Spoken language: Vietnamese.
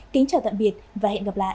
kính chào tạm biệt và hẹn gặp lại